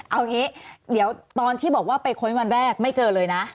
เอาอย่างนี้เดี๋ยวตอนที่บอกว่าไปค้นวันแรกไม่เจอเลยนะ